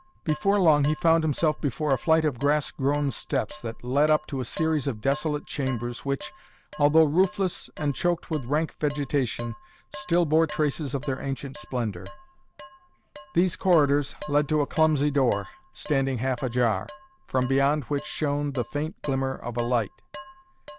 Before long he found himself before a flight of grass grown steps that led up to a series of desolate chambers which, although roofless and choked with rank vegetation, still bore traces of their ancient splendor. These corridors led to a clumsy door, standing half ajar, from beyond which shone the faint glimmer of a light.